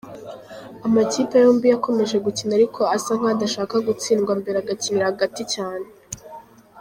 Amakipe yombi yakomeje gukina ariko asa nk’adashaka gutsindwa mbere agakinira hagati cyane.